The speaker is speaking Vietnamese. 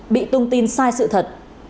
bị tung tin sai sự thật